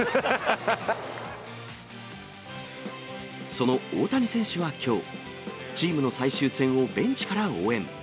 その大谷選手はきょう、チームの最終戦をベンチから応援。